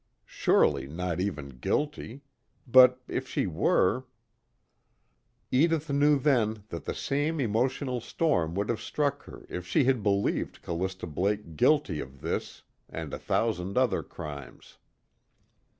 Surely not even guilty; but if she were Edith knew then that the same emotional storm would have struck her if she had believed Callista Blake guilty of this and a thousand other crimes.